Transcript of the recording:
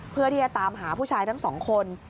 เพื่อที่จะตามหาผู้ชายทั้งสองคน